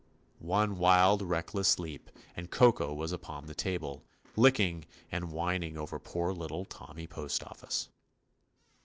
One wild, reckless leap, and Koko was upon the table, licking and whin ing over poor little Tommy Postofficc.